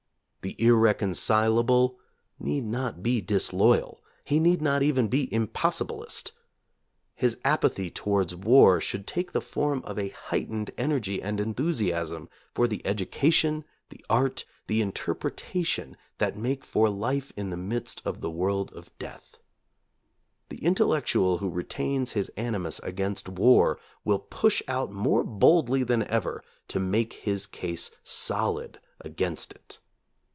The "irreconcilable" need not be disloyal. He need not even be "impossibilist." His apathy towards war should take the form of a heightened energy and enthusiasm for the education, the art, the interpretation that make for life in the midst of the world of death. The intellectual who re tains his animus against war will push out more boldly than ever to make his case solid against it.